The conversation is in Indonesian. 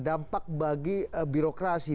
dampak bagi birokrasi